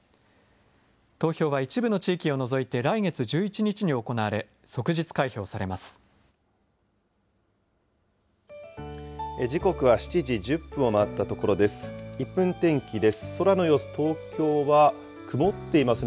投票は一部の地域を除いて来月１１日に行われ、即日開票されます。